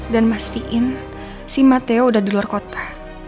dan mastiin si matteo udah di luar kota